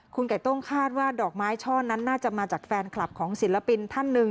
คุณไก่ต้งคาดว่าดอกไม้ช่อนั้นน่าจะมาจากแฟนคลับของศิลปินท่านหนึ่ง